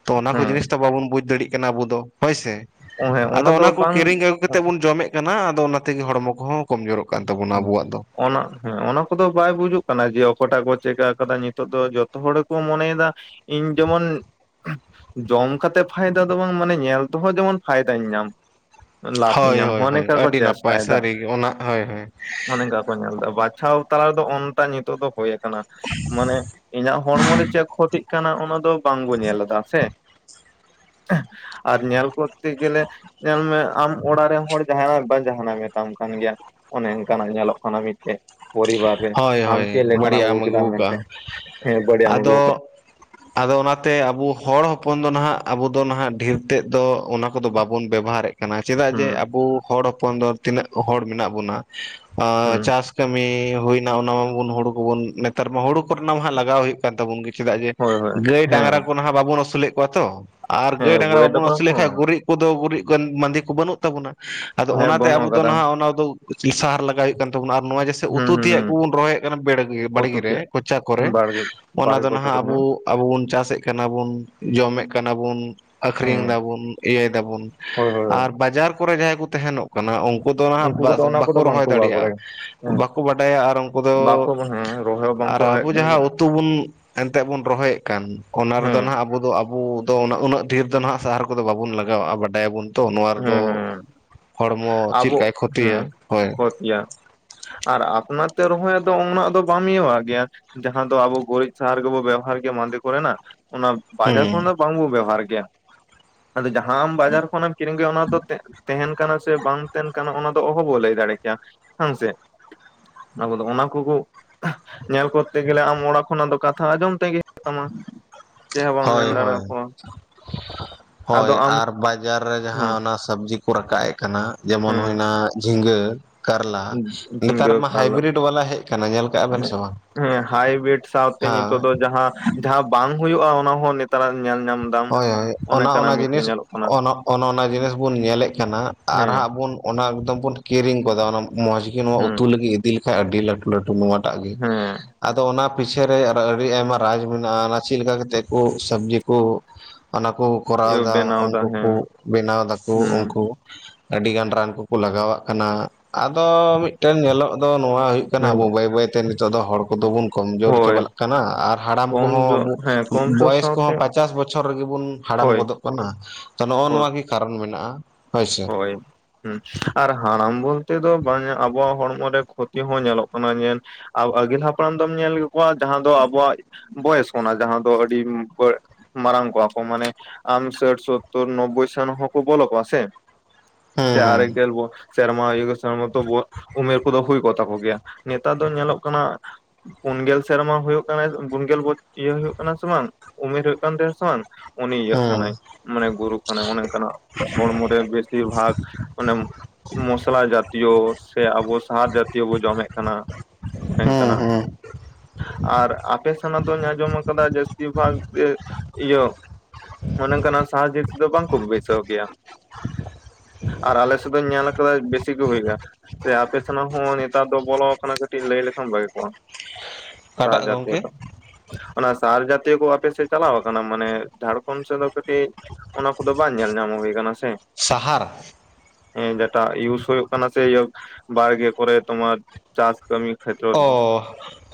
ᱛᱚ ᱚᱱᱟ ᱠᱚ ᱦᱮᱸ ᱡᱤᱱᱤᱥ ᱛᱚ ᱵᱟᱵᱚᱱ ᱵᱩᱡᱽ ᱫᱟᱹᱲᱤᱜ ᱠᱟᱱᱟ ᱟᱵᱩ ᱫᱚ ᱾ ᱦᱳᱭ ᱥᱮ, ᱦᱮᱸ ᱟᱫᱚ ᱫᱚ ᱚᱱᱟ ᱠᱚ ᱵᱟᱝ ᱠᱤᱨᱤᱧ ᱟᱹᱜᱩ ᱠᱟᱛᱮᱫ ᱵᱚᱱ ᱡᱚᱢᱮᱫᱼᱼ ᱠᱟᱱᱟ ᱟᱫᱚ ᱚᱱᱟ ᱛᱮᱜᱮ ᱦᱚᱲᱢᱚ ᱠᱚᱦᱚᱸ ᱠᱚᱢ ᱡᱚᱨᱚᱜ ᱠᱟᱱ ᱛᱟᱵᱚᱱᱟ ᱟᱵᱚᱣᱟᱜ ᱫᱚ᱾ ᱚᱱᱟ, ᱦᱮᱸ ᱚᱱᱟ ᱠᱚᱫᱚ ᱵᱟᱭ ᱵᱩᱡᱩᱜ ᱠᱟᱱᱟ ᱡᱮ ᱚᱠᱚᱴᱟᱜ ᱠᱚ ᱪᱮᱠᱟ ᱟᱠᱟᱫᱟ ᱱᱤᱛᱚᱜ ᱫᱚ ᱡᱚᱛᱚ ᱦᱚᱲ ᱜᱮᱠᱚ ᱢᱚᱱᱮᱭᱮᱫᱟᱼᱼ ᱤᱧ ᱡᱮᱢᱚᱱᱼᱼ ᱡᱚᱢ ᱠᱟᱛᱮᱜ ᱯᱷᱟᱭᱫᱟ ᱫᱚ ᱵᱟᱝ ᱢᱟᱱᱮ ᱧᱮᱞ ᱛᱮᱦᱚᱸ ᱡᱮᱢᱚᱱ ᱯᱷᱟᱭᱫᱟᱧ ᱧᱟᱢ ᱾ ᱦᱚᱭ ᱦᱚᱭ ᱦᱚᱭ ᱟᱹᱰᱤ ᱱᱟᱯᱯᱟᱭ ᱪᱮᱥᱴᱟᱭᱮᱫᱟ ᱥᱟᱹᱨᱤᱜᱮ ᱚᱱᱟ, ᱦᱚᱭ ᱦᱚᱭ ᱾ ᱚᱱᱮ ᱚᱱᱠᱟ ᱠᱚ ᱧᱮᱞ ᱮᱫᱟ ᱵᱟᱪᱷᱟᱣ ᱛᱟᱞᱟ ᱨᱮᱫᱚ ᱚᱱᱛᱟ ᱱᱤᱛᱚᱜ ᱫᱚᱼᱼ ᱦᱩᱭ ᱟᱠᱟᱱᱟ, ᱢᱟᱱᱮ ᱤᱧᱟᱹᱜ ᱦᱚᱲᱢᱚ ᱨᱮ ᱪᱮᱫ ᱠᱷᱚᱛᱤᱜ ᱠᱟᱱᱟ ᱚᱱᱟ ᱫᱚᱼᱼ ᱵᱟᱝᱵᱚ ᱧᱮᱞ ᱮᱫᱟ ᱥᱮᱼᱼ [unintelligible] ᱟᱨ ᱧᱮᱞ ᱠᱚᱨᱛᱮ ᱜᱮᱞᱮ, ᱧᱮᱞ ᱢᱮ ᱟᱢ ᱚᱲᱟᱜ ᱨᱮᱱ ᱦᱚᱲ ᱡᱟᱸᱦᱱᱟᱜ ᱵᱟᱝ ᱡᱟᱸᱦᱟᱱᱟᱜ ᱢᱮᱛᱟᱢ ᱠᱟᱱ ᱜᱮᱭᱟ ᱾ ᱚᱱᱮ ᱚᱱᱠᱟᱱᱟᱜ ᱧᱮᱞᱚᱜ ᱠᱟᱱᱟ ᱢᱤᱫᱴᱮᱡ ᱾ ᱯᱚᱨᱤᱵᱟᱨ ᱨᱮ ᱦᱳᱭ ᱟᱢ ᱦᱳᱭ ᱪᱮᱫ ᱞᱮᱠᱟᱱᱟᱜ ᱵᱟᱹᱲᱤᱡ ᱟᱜ ᱟᱹᱜᱩ ᱮᱢ ᱠᱮᱫᱟᱢ ᱠᱟᱜᱼᱟ ᱢᱮᱱᱛᱮ, ᱦᱮᱸ ᱵᱟᱹᱲᱤᱡᱟᱜ ᱮᱢ ᱟᱜᱩ ᱠᱟᱫᱟ ᱟᱫᱚ ᱾ ᱟᱫᱚ ᱚᱱᱟ ᱛᱮ ᱟᱵᱚ ᱦᱚᱲ ᱦᱚᱯᱚᱱ ᱫᱚ, ᱱᱟᱦᱟᱜ ᱟᱵᱚ ᱫᱚ ᱱᱟᱦᱟᱜ ᱰᱷᱤᱨ ᱛᱮᱫ ᱫᱚ, ᱚᱱᱟ ᱠᱚᱫᱚ ᱵᱟᱵᱚᱱ ᱵᱮᱵᱚᱦᱟᱨᱮᱫ ᱠᱟᱱᱟ ᱪᱮᱫᱟᱜ ᱡᱮ ᱦᱩᱸ ᱟᱵᱚ ᱦᱚᱲ ᱦᱚᱯᱚᱱ ᱫᱚ, ᱛᱤᱱᱟᱹᱜ ᱦᱚᱲ ᱢᱮᱱᱟᱜ ᱵᱚᱱᱟ, ᱟ ᱦᱩᱸ ᱪᱟᱥ ᱠᱟᱹᱢᱤ ᱦᱩᱭᱱᱟ ᱚᱱᱟ ᱢᱟᱵᱚᱱ ᱦᱩᱲᱩ ᱠᱚᱵᱚᱱ ᱱᱮᱛᱟᱨ ᱢᱟ ᱦᱩᱲᱩ ᱠᱚᱨᱮᱱᱟᱜ ᱢᱟᱦᱟᱜ ᱞᱟᱜᱟᱣ ᱦᱩᱭᱩᱜ ᱠᱟᱱ ᱛᱟᱵᱚᱱ ᱜᱮ ᱾ ᱪᱮᱫᱟᱜ ᱡᱮ ᱦᱳᱭ ᱦᱳᱭ ᱜᱟᱹᱭ ᱦᱮᱸ ᱰᱟᱝᱨᱟ ᱠᱚ ᱱᱟᱦᱟᱜ ᱵᱟᱵᱚᱱ ᱟᱹᱥᱩᱞᱮᱫ ᱠᱚᱣᱟ ᱛᱚ, ᱟᱨ ᱦᱮᱸ ᱜᱟᱹᱭ ᱰᱟᱝᱨᱟ ᱵᱳᱭ ᱵᱟᱵᱚᱱ ᱰᱟᱵᱨᱟ ᱟᱥᱩᱞᱮᱫ ᱦᱚᱸ ᱠᱷᱟᱡ ᱜᱩᱨᱤᱡᱽ ᱠᱚᱫᱚ ᱜᱩᱨᱤᱡᱽ ᱢᱟᱸᱫᱤ ᱠᱚ ᱵᱟᱹᱱᱩᱜ ᱛᱟᱵᱚᱱᱟ, ᱟᱫᱚ ᱦᱮᱸ ᱚᱱᱟᱛᱮ ᱵᱟᱹᱱᱩᱜ ᱟᱵᱚ ᱫᱚ ᱟᱠᱟᱫᱟ ᱱᱟᱦᱟᱜ ᱚᱱᱟ ᱫᱚ ᱥᱟᱨ ᱞᱟᱜᱟᱣ ᱦᱩᱭᱩᱜ ᱠᱟᱱ ᱛᱟᱵᱚᱱᱟ ᱟᱨ ᱱᱚᱣᱟ ᱡᱮ ᱦᱩᱸ ᱩᱛᱩ ᱦᱩᱸ ᱛᱮᱭᱟᱜ ᱦᱩᱸ ᱠᱚᱵᱚᱱ ᱨᱚᱦᱚᱭᱮᱫ ᱠᱟᱱᱟ, ᱵᱮᱲᱜᱮ ᱩᱛᱩ ᱵᱟᱲᱜᱮ ᱠᱮᱫ ᱨᱮ ᱠᱚᱪᱟ ᱠᱚᱨᱮ, ᱵᱟᱲᱜᱮ ᱚᱱᱟ ᱵᱟᱲᱜᱮ ᱫᱚ ᱠᱚᱪᱟ ᱱᱟᱦᱟᱜ ᱠᱚᱨᱮᱱᱟᱜ ᱟᱵᱚ ᱟᱵᱚ ᱵᱚᱱ ᱪᱟᱥᱮᱫ ᱠᱟᱱᱟ ᱵᱚᱱ ᱡᱚᱢᱮᱫ ᱠᱟᱱᱟ ᱵᱚᱱ ᱟᱠᱷᱨᱤᱧ ᱦᱮᱸ ᱫᱟᱵᱚᱱ, ᱤᱭᱟᱹᱭ ᱫᱟᱵᱩᱱ ᱦᱳᱭ ᱦᱳᱭ ᱦᱳᱭ ᱟᱨ ᱵᱟᱡᱟᱨ ᱠᱚᱨᱮ ᱡᱟᱦᱟᱸᱭ ᱠᱚ ᱛᱟᱦᱮᱱᱚᱜ ᱠᱟᱱᱟ ᱩᱱᱠᱩ ᱫᱚ ᱦᱟᱜ ᱩᱱᱠᱩ ᱠᱚᱫᱚ ᱚᱱᱟ ᱠᱚᱫᱚ ᱵᱟᱠᱚ ᱨᱚᱦᱚᱭ ᱵᱟᱝᱠᱚ ᱫᱟᱲᱮᱭᱟᱜᱼᱟ᱾ ᱵᱟᱲᱟᱭᱟ ᱦᱮᱸ ᱵᱟᱠᱚ ᱵᱟᱰᱟᱭᱟ ᱟᱨ ᱩᱱᱠᱩ ᱫᱚ ᱵᱟᱠᱚ ᱦᱮᱸ ᱨᱚᱦᱚᱭ ᱦᱚᱸ ᱵᱟᱝᱠᱚ ᱟᱨ ᱨᱚᱦᱚᱭᱮᱫ ᱟᱵᱚ ᱠᱟᱱ ᱜᱮᱭᱟ ᱡᱟᱦᱟᱸ ᱩᱛᱩ ᱵᱚᱱ ᱮᱱᱛᱮᱫ ᱵᱚᱱ ᱨᱚᱦᱚᱭᱮᱫ ᱠᱟᱱ, ᱚᱱᱟ ᱨᱮᱫᱚ ᱦᱮᱸ ᱱᱟᱦᱟᱜ ᱟᱵᱚ ᱫᱚ ᱟᱵᱚ - ᱟᱫᱚ ᱩᱱᱟᱹᱜ ᱰᱷᱮᱨ ᱫᱚ ᱱᱟᱦᱟᱜ ᱥᱟᱦᱟᱨ ᱠᱚᱫᱚ ᱵᱟᱵᱚᱱ ᱞᱟᱜᱟᱣᱟᱜᱼᱟ ᱵᱟᱰᱟᱭ ᱟᱵᱚᱱ ᱛᱚ ᱱᱚᱣᱟ ᱨᱮᱫᱚ ᱦᱮᱸ ᱦᱮᱸ ᱦᱚᱲᱢᱚ ᱪᱮᱫ ᱟᱵᱚ ᱞᱮᱠᱟᱭ ᱦᱮᱸ ᱠᱷᱚᱛᱤᱭᱟ ᱦᱳᱭ ᱾ [unintelligible] ᱟᱨ ᱟᱯᱱᱟᱨ ᱛᱮ ᱨᱚᱦᱚᱭ ᱫᱚ ᱩᱱᱟ ᱫᱚ ᱵᱟᱢ ᱤᱭᱟᱹᱣᱟᱜ ᱜᱮᱭᱟ᱾ ᱡᱟᱦᱟᱸ ᱫᱚ ᱟᱵᱚ ᱜᱩᱨᱤᱡᱽ ᱥᱟᱦᱟᱨ ᱜᱮᱵᱚ ᱵᱮᱵᱚᱦᱟᱨ ᱜᱮᱭᱟ, ᱢᱟᱫᱮ ᱠᱚᱨᱮᱱᱟᱜ ᱚᱱᱟ ᱵᱟᱡᱟᱨ ᱠᱷᱚᱱ ᱦᱩᱸ ᱫᱚ ᱵᱟᱝ ᱵᱚᱱ ᱵᱮᱵᱚᱦᱟᱨ ᱜᱮᱭᱟ, ᱟᱫᱚ ᱡᱟᱦᱟᱸᱢ ᱵᱟᱡᱟᱨ ᱠᱷᱚᱱᱮᱢ ᱠᱤᱨᱤᱧ ᱜᱮᱭᱟ ᱚᱱᱟ ᱫᱚ ᱛᱟᱦᱮᱱ ᱠᱟᱱᱟ ᱥᱮ ᱵᱟᱝ ᱛᱟᱦᱮᱱ ᱠᱟᱱᱟ, ᱚᱱᱟ ᱫᱚ ᱚᱦᱚ ᱵᱚ ᱞᱟᱹᱭ ᱫᱟᱲᱮ ᱠᱮᱭᱟ, ᱦᱮᱸ ᱥᱮ ᱟᱵᱚ ᱫᱚ ᱚᱱᱟ ᱠᱚᱠᱚ ᱧᱮᱞ ᱠᱚᱨᱛᱮ ᱜᱮᱞᱮ, ᱟᱢ ᱚᱲᱟᱜ ᱠᱷᱚᱱᱟᱜ ᱫᱚ ᱠᱟᱛᱷᱟ ᱟᱸᱡᱚᱢ ᱛᱮᱜᱮ [unintelligible] ᱪᱮᱫ ᱦᱚᱸ ᱵᱟᱢ ᱢᱮᱱ ᱦᱳᱭ ᱦᱳᱭ ᱫᱟᱲᱮᱭᱟᱠᱚᱣᱟ ᱟᱫᱚ ᱦᱳᱭ ᱟᱢ ᱟᱨ ᱵᱟᱡᱟᱨ ᱨᱮ ᱦᱮᱸ ᱡᱟᱦᱟᱸ ᱚᱱᱟ ᱥᱚᱵᱽᱡᱤ ᱠᱚ ᱨᱟᱠᱟᱵ ᱮᱫ ᱠᱟᱱᱟ, ᱡᱮᱢᱚᱱ ᱦᱮᱸ ᱦᱩᱭᱱᱟ ᱡᱷᱤᱸᱜᱟ ᱠᱟᱨᱞᱟ, ᱱᱮᱛᱟᱨ ᱡᱷᱤᱸᱜᱟᱹ ᱢᱟ ᱠᱟᱨᱞᱟ ᱦᱟᱭᱵᱨᱤᱰ ᱵᱟᱞᱟ ᱦᱮᱡ ᱟᱠᱟᱱᱟ ᱧᱮᱞ ᱠᱟᱜᱼᱟ ᱵᱮᱱ ᱦᱮᱸ ᱥᱮ ᱵᱟᱝ? ᱦᱮᱸ ᱦᱟᱭᱵᱨᱤᱰ ᱥᱟᱶᱛᱮ ᱱᱤᱛᱚᱜ ᱦᱮᱸ ᱫᱚ ᱡᱟᱦᱟᱸ ᱡᱟᱦᱟᱸ ᱵᱟᱝ ᱦᱩᱭᱩᱜᱼᱟ, ᱚᱱᱟ ᱦᱚᱸ ᱱᱮᱛᱟᱨᱟᱜ ᱧᱮᱞ ᱧᱟᱢ ᱫᱟᱢ ᱦᱳᱭ ᱦᱳᱭ ᱾ ᱚᱱᱟ ᱚᱱᱟ ᱚᱱᱮᱠᱟᱱᱟᱜ ᱢᱤᱫᱴᱮᱱ ᱡᱤᱱᱤᱥ ᱧᱮᱞᱚᱜ ᱠᱟᱱᱟ ᱚᱱ ᱚᱱᱮ ᱚᱱᱟ ᱡᱤᱱᱤᱥ ᱵᱚᱱ ᱧᱮᱞᱮᱫ ᱠᱟᱱᱟ, ᱟᱨ ᱦᱮᱸ ᱦᱟᱸᱜ ᱵᱩᱱ ᱚᱱᱟ ᱮᱠᱫᱚᱢ ᱵᱩᱱ ᱠᱤᱨᱤᱧ ᱜᱚᱫᱟ ᱚᱱᱟ ᱢᱚᱸᱡᱽ ᱜᱮᱤ ᱱᱚᱶᱟ ᱦᱮᱸ ᱩᱛᱩ ᱞᱟᱹᱜᱤᱫ ᱤᱫᱤ ᱞᱮᱠᱷᱟᱱᱡ ᱟᱹᱰᱤ ᱞᱟᱹᱴᱩ ᱞᱟᱹᱴᱩ ᱱᱚᱣᱟ ᱮᱴᱟᱜ ᱜᱮ ᱦᱮᱸ ᱾ ᱟᱫᱚ ᱚᱱᱟ ᱯᱤᱪᱷᱮ ᱟᱹᱰᱤ ᱟᱭᱢᱟ ᱨᱟᱡᱽ ᱢᱮᱱᱟᱜᱼᱟ, ᱚᱱᱟ ᱪᱮᱫ ᱞᱮᱠᱟ ᱠᱟᱛᱮᱫ ᱠᱚ ᱥᱚᱵᱽᱡᱤ ᱠᱚ ᱚᱱᱟ ᱠᱚ ᱠᱚᱨᱟᱣ ᱫᱟ ᱵᱮᱱᱟᱣ ᱩᱱᱠᱩ ᱠᱚ ᱦᱮᱸ ᱵᱮᱱᱟᱣ ᱫᱟᱠᱚ ᱩᱱᱠᱩ ᱦᱩᱸ ᱟᱹᱰᱤᱜᱟᱱ ᱨᱟᱱ ᱠᱚᱠᱚ ᱞᱟᱜᱟᱣ ᱟᱜ ᱠᱟᱱᱟ, ᱟᱫᱚ ᱢᱤᱫᱴᱮᱱ ᱧᱮᱞᱚᱜ ᱫᱚ ᱱᱚᱣᱟ ᱦᱩᱭᱩᱜ ᱠᱟᱱᱟ, ᱟᱵᱚ ᱵᱟᱹᱭ ᱵᱟᱹᱭ ᱛᱮ ᱱᱤᱛᱚᱜ ᱫᱚ ᱦᱚᱲ ᱠᱚᱫᱚ ᱵᱚᱱ ᱠᱚᱢᱡᱳᱨ ᱦᱳᱭ ᱪᱟᱵᱟᱜ ᱠᱟᱱᱟ, ᱟᱨ ᱦᱟᱲᱟᱢ ᱠᱚᱢ ᱠᱚᱦᱚᱸ ᱡᱳᱨ ᱟᱵᱚ ᱦᱮᱸ ᱠᱚᱢ ᱡᱳᱨ ᱵᱚᱭᱮᱥ ᱥᱟᱶᱛᱮ ᱠᱚᱦᱚᱸ ᱯᱟᱸᱪᱟᱥ ᱵᱚᱪᱷᱚᱨ ᱜᱮᱵᱚᱱ ᱦᱟᱲᱟᱢ ᱦᱳᱭ ᱜᱚᱫᱚᱜ ᱠᱟᱱᱟ, ᱛᱚ ᱱᱚᱜᱼᱚ ᱦᱳᱭ ᱱᱚᱣᱟ ᱜᱮ ᱠᱟᱨᱚᱱ ᱢᱮᱱᱟᱜᱼᱟ᱾ ᱦᱳᱭᱥᱮ ᱦᱳᱭ ᱦᱩᱸ ᱟᱨ ᱦᱟᱲᱟᱢ ᱵᱚᱞᱛᱮ ᱫᱚ ᱵᱟᱝ ᱟᱵᱚᱣᱟᱜ ᱦᱚᱲᱢᱚ ᱨᱮ ᱠᱷᱚᱛᱤ ᱦᱚᱸ ᱧᱮᱞᱚᱜ ᱠᱟᱱᱟ, ᱟᱨ ᱟᱹᱜᱤᱞ ᱦᱟᱯᱲᱟᱢ ᱫᱚᱢ ᱧᱮᱞ ᱠᱚᱣᱟ ᱡᱟᱦᱟᱸ ᱫᱚ ᱟᱵᱚᱣᱟᱜ ᱵᱚᱭᱮᱥ ᱚᱱᱟ ᱡᱟᱦᱟᱸ ᱫᱚ ᱟᱹᱰᱤ ᱵᱟᱹᱲ ᱢᱟᱨᱟᱝ ᱠᱚᱣᱟ ᱠᱚ ᱢᱟᱱᱮ ᱟᱢ ᱥᱟᱴ ᱥᱳᱛᱛᱳᱨ ᱱᱚᱵᱵᱳᱭ ᱥᱚᱱ ᱦᱚᱸᱠᱚ ᱵᱚᱞᱚ ᱠᱚᱣᱟ ᱥᱮ? ᱥᱮ ᱟᱨᱮᱠ ᱦᱩᱸ ᱰᱮᱲ ᱵᱚᱪᱷ ᱥᱮᱨᱢᱟ [unintelligible] ᱩᱢᱮᱨ ᱠᱚᱫᱚ ᱦᱩᱭ ᱠᱚᱜ ᱛᱟᱠᱚ ᱜᱮᱭᱟ, ᱱᱮᱛᱟᱨ ᱫᱚ ᱧᱮᱞᱚᱜ ᱠᱟᱱᱟ ᱯᱩᱱ ᱜᱮᱞ ᱥᱮᱨᱢᱟ ᱦᱩᱭᱩᱜ ᱠᱟᱱᱟ ᱯᱩᱱ ᱜᱮᱞ [unintelligible] ᱤᱭᱟᱹ ᱦᱩᱭᱩᱜ ᱠᱟᱱᱟ ᱥᱮ ᱵᱟᱝ ᱩᱢᱮᱨ ᱦᱩᱭᱩᱜ ᱠᱟᱱ ᱛᱟᱭᱟ ᱥᱮ ᱵᱟᱝ? ᱩᱱᱤ ᱤᱭᱟᱹᱜ ᱦᱩᱸ ᱠᱟᱱᱟᱭ, ᱢᱟᱱᱮ ᱜᱩᱨᱩ ᱠᱟᱱᱟᱭ, ᱚᱱᱮ ᱚᱱᱠᱟ ᱱᱟᱜ ᱦᱚᱲᱢᱚ ᱨᱮ ᱵᱮᱥ ᱤᱨ ᱵᱷᱟᱜ ᱚᱱᱮ ᱢᱚᱥᱞᱟ ᱡᱟᱛᱤᱭᱚ ᱥᱮ ᱟᱵᱚ ᱥᱟᱦᱟᱨ ᱡᱟᱛᱤᱭᱚ ᱵᱚ ᱡᱚᱢᱮᱫ ᱠᱟᱱᱟ ᱦᱩᱸ ᱚᱰᱟᱝ ᱦᱩᱸ ᱠᱟᱱᱟᱜ ᱦᱩᱸ ᱟᱨ ᱟᱯᱮ ᱥᱮᱱᱟᱜ ᱫᱚᱧ ᱟᱸᱡᱚᱢ ᱟᱠᱟᱫᱟ ᱡᱟᱹᱥᱛᱤ ᱵᱷᱟᱜ ᱤᱭᱟᱹ ᱢᱚᱱᱮ ᱠᱟᱱᱟ ᱥᱟᱦᱟᱡ ᱫᱚ ᱵᱟᱝ ᱠᱚ ᱵᱟᱹᱭᱥᱟᱹᱣ ᱜᱮᱭᱟ ᱟᱨ ᱟᱞᱮ ᱥᱮᱫ ᱫᱚᱧ ᱧᱮᱞ ᱟᱠᱟᱫᱟ ᱵᱮᱥᱤ ᱜᱮ ᱦᱩᱭᱩᱜᱼᱟ᱾ ᱥᱮ ᱟᱯᱮ ᱥᱮᱱᱟᱜ ᱦᱚᱸ ᱱᱮᱛᱟᱨ ᱫᱚ ᱵᱚᱞᱚ ᱟᱠᱟᱱᱟ ᱠᱟᱹᱴᱤᱡ ᱞᱟᱹᱭ ᱞᱮᱠᱷᱟᱱ ᱵᱷᱟᱜᱤ ᱠᱚᱜᱼᱟ᱾ ᱚᱠᱟᱴᱟᱜ ᱜᱚᱢᱠᱮ [unintelligible] ᱚᱱᱟ ᱥᱟᱨ ᱡᱟᱛᱤᱭᱚ ᱠᱚ ᱟᱯᱮ ᱥᱮᱫ ᱪᱟᱞᱟᱣ ᱟᱠᱟᱱᱟ ᱢᱟᱱᱮ ᱡᱷᱟᱲᱠᱷᱚᱱᱰ ᱥᱮᱫ ᱫᱚ ᱠᱟᱹᱴᱤᱡ᱾ ᱚᱱᱟ ᱠᱚᱫᱚ ᱵᱟᱝ ᱧᱮᱞ ᱧᱟᱢ ᱦᱩᱭᱩ ᱠᱟᱱᱟ ᱥᱮ᱾ ᱥᱟᱦᱟᱨ ᱦᱮᱸ ᱡᱮᱴᱟ ᱤᱭᱩᱥ ᱦᱩᱭᱩᱜ ᱠᱟᱱᱟ ᱥᱮ ᱵᱟᱲᱜᱮ ᱠᱚᱨᱮ ᱛᱳᱢᱟᱨ ᱪᱟᱥ ᱠᱟᱹᱢᱤ ᱠᱷᱮᱛᱨᱚ ᱨᱮ᱾ ᱚ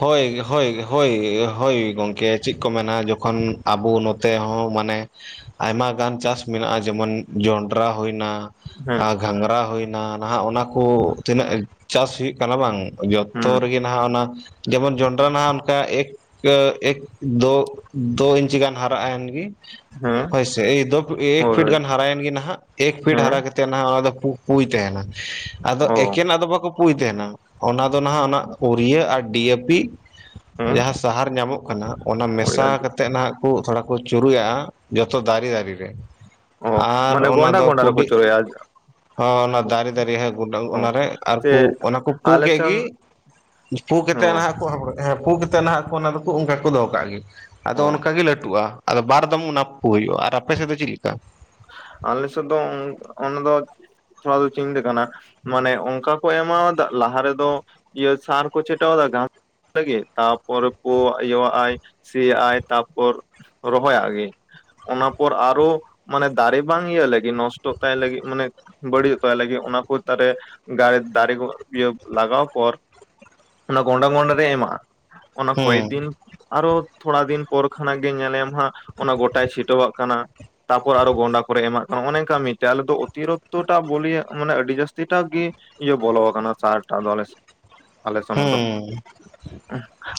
ᱦᱳᱭ ᱦᱳᱭ ᱦᱳᱭ ᱦᱳᱭ ᱜᱚᱢᱠᱮ ᱪᱮᱫ ᱠᱚ ᱢᱮᱱᱟ ᱡᱚᱠᱷᱚᱱ ᱟᱵᱚ ᱱᱚᱛᱮ ᱦᱚᱸ ᱢᱟᱱᱮ᱾ ᱟᱭᱢᱟᱜᱟᱱ ᱪᱟᱥ ᱢᱮᱱᱟᱜᱼᱟ ᱡᱮᱢᱚᱱ ᱡᱚᱱᱰᱨᱟ ᱦᱩᱭᱱᱟ᱾ ᱦᱮᱸ ᱟᱨ ᱜᱷᱟᱸᱜᱨᱟ ᱦᱩᱭᱱᱟ ᱱᱟᱦᱟᱜ ᱚᱱᱟ ᱠᱚ ᱛᱤᱱᱟᱹᱜ ᱪᱟᱥ ᱦᱩᱭᱩᱜ ᱠᱟᱱᱟ ᱵᱟᱝ ᱛᱚ ᱦᱩᱸ ᱨᱮᱜᱮ ᱱᱟᱦᱟᱜ ᱚᱱᱟ ᱡᱮᱢᱚᱱ ᱡᱚᱱᱰᱨᱟ ᱱᱟᱦᱟᱜ᱾ ᱚᱱᱠᱟ ᱮᱠ ᱮᱠ ᱫᱳ ᱤᱧᱪᱤ ᱜᱟᱱ ᱦᱟᱨᱟᱜᱱ ᱜᱮ᱾ ᱦᱮᱸ ᱦᱚᱭ ᱥᱮ ᱫᱳ ᱮᱠ ᱦᱳᱭ ᱯᱷᱤᱴ ᱦᱳᱭ ᱜᱟᱱ ᱦᱟᱨᱟᱭᱮᱱ ᱜᱮ ᱱᱟᱟᱜ ᱮᱠ ᱯᱷᱤᱴ ᱦᱟᱨᱟ ᱦᱮᱸ ᱠᱟᱛᱮ ᱚᱱᱟ ᱫᱚ ᱯᱩᱭ ᱛᱟᱦᱮᱱᱟ ᱟᱫᱚ ᱚ ᱮᱠᱮᱱᱟ ᱫᱚ ᱵᱟᱼᱼ ᱯᱩᱭ ᱛᱟᱦᱮᱱᱟ ᱚᱱᱟ ᱫᱚ ᱱᱟᱦᱟᱜ ᱚᱱᱟ ᱩᱨᱤᱭᱟᱹ ᱟᱨ ᱰᱤᱭᱮ ᱯᱤ ᱦᱮᱸ ᱡᱟᱦᱟᱸ ᱥᱟᱦᱟᱨ ᱧᱟᱢᱚᱜ᱾ ᱚᱱᱟ ᱢᱮᱥᱟ ᱠᱟᱛᱮ ᱱᱟᱜ ᱠᱚ ᱛᱷᱚᱲᱟ ᱠᱚ ᱪᱩᱨᱩᱡᱜᱼᱟ ᱡᱚᱛᱚ ᱫᱟᱨᱮ ᱫᱟᱨᱮ ᱨᱮ᱾ ᱚ ᱟᱨ ᱢᱟᱱᱮ ᱚᱱᱟ ᱜᱚᱱᱰᱟ ᱫᱚ ᱜᱚᱱᱰᱟ ᱨᱮᱠᱚ ᱠᱩᱰᱤ ᱪᱚᱨᱟᱭᱟ ᱚ ᱚᱱᱟ ᱫᱟᱨᱮ ᱫᱟᱨᱮ ᱜᱩᱰᱟᱹ ᱚ ᱚᱱᱟᱨᱮ ᱥᱮ ᱟᱨᱠᱩ ᱚᱱᱟ ᱠᱚ ᱯᱩ ᱟᱞᱮ ᱠᱮᱫ ᱥᱮᱱ ᱜᱤ᱾ ᱯᱩ ᱠᱟᱛᱮ ᱦᱚᱸ ᱱᱟᱦᱟᱜ ᱠᱚ ᱦᱮᱸ ᱯᱩ ᱠᱟᱛᱮ ᱱᱟᱦᱟᱜ ᱠᱚ ᱚᱱᱟ ᱫᱚᱠᱚ ᱚᱱᱠᱟ ᱠᱚ ᱫᱚᱦᱚ ᱠᱟᱜ ᱜᱮ᱾ ᱟᱫᱚ ᱦᱚᱸ ᱚᱱᱠᱟᱜᱮ ᱞᱟᱹᱴᱩᱜᱼᱟ ᱟᱫᱚ ᱵᱟᱨ ᱫᱚᱢ ᱚᱱᱟ ᱠᱚ ᱦᱩᱭᱩᱜᱼᱟ ᱟᱨ ᱟᱯᱮ ᱥᱮᱫ ᱫᱚ ᱪᱮᱫᱞᱮᱠᱟ᱾ ᱟᱞᱮ ᱥᱮᱫ ᱫᱚ ᱚᱱᱟ ᱫᱚ ᱛᱷᱚᱲᱟ ᱫᱚ ᱪᱤᱱᱛᱟᱹ ᱠᱟᱱᱟ᱾ ᱢᱟᱱᱮ ᱚᱱᱠᱟ ᱠᱚ ᱮᱢᱟᱣᱟᱫᱟ ᱞᱟᱦᱟ ᱨᱮᱫᱚ ᱤᱭᱟᱹ ᱥᱟᱨ ᱠᱚ ᱪᱤᱴᱟᱹᱣᱟᱫᱟ᱾ ᱛᱟᱯᱚᱨ ᱯᱩ ᱤᱭᱟᱹ ᱥᱤ ᱟᱭ ᱛᱟᱨᱯᱚᱨ ᱨᱚᱦᱚᱭᱟᱜ ᱜᱮ ᱚᱱᱟ ᱯᱚᱨ ᱟᱨᱚ᱾ ᱢᱟᱱᱮ ᱫᱟᱨᱮ ᱵᱟᱝ ᱤᱭᱟᱹ ᱞᱟᱹᱜᱤᱫ ᱱᱚᱥᱴᱚ ᱛᱟᱭ ᱞᱟᱹᱜᱤᱫ ᱢᱟᱱᱮ᱾ ᱵᱟᱹᱲᱤᱡ ᱛᱟᱭ ᱞᱟᱹᱜᱤᱫ ᱚᱱᱟ ᱠᱚ ᱛᱟᱨᱮ ᱫᱟᱨᱮ ᱠᱚ ᱤᱭᱟᱹ ᱞᱟᱜᱟᱣ ᱯᱚᱨ᱾ ᱚᱱᱟ ᱜᱚᱸᱰᱟ ᱜᱚᱸᱰᱟ ᱨᱮ ᱮᱢᱟᱜᱼᱟ ᱚᱱᱟ ᱠᱚᱭᱮᱠ ᱦᱩᱸ ᱫᱤᱱ᱾ ᱟᱨᱚ ᱛᱷᱚᱲᱟ ᱫᱤᱱ ᱯᱚᱨ ᱠᱷᱚᱱᱟᱜ ᱜᱮ ᱧᱮᱞᱮᱢ ᱦᱟᱸᱜ ᱚᱱᱟ ᱜᱚᱴᱟᱭ ᱪᱷᱤᱴᱟᱹᱣᱟᱜ ᱠᱟᱱᱟ᱾ ᱛᱟᱯᱚᱨ ᱟᱨᱚ ᱜᱚᱱᱰᱟ ᱠᱚᱨᱮ ᱮᱢᱟᱜ ᱠᱟᱱᱟ ᱚᱱᱮ ᱠᱟ ᱢᱤᱫᱴᱮᱱ ᱟᱞᱮᱫ ᱫᱚ ᱚᱛᱤᱨᱤᱠᱛᱚ ᱴᱟ ᱵᱚᱞᱤᱭ ᱢᱟᱱᱮ ᱟᱹᱰᱤ ᱡᱟᱹᱥᱛᱤ ᱴᱟᱜ ᱜᱮ᱾ ᱤᱭᱟᱹ ᱵᱚᱞ ᱠᱟᱱᱟ ᱥᱟᱨ ᱴᱟ ᱟᱞᱮ [inaudible] ᱟᱞᱮ ᱥᱮᱱᱟᱜ ᱫᱚ ᱦᱩᱸ